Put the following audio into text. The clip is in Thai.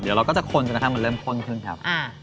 เดี๋ยวเราก็จะคนกันมันเริ่มคนขึ้นครับ